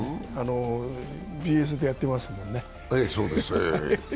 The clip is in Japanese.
ＢＳでやってますもんね。